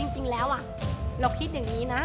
จริงแล้วเราคิดอย่างนี้นะ